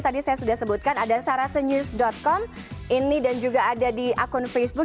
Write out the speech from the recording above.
tadi saya sudah sebutkan ada sarasenews com ini dan juga ada di akun facebook